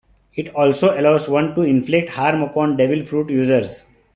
It also allows one to inflict harm upon Devil Fruit users.